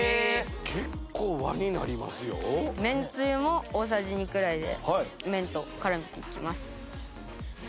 めんつゆも大さじ２くらいで麺と絡めていきます。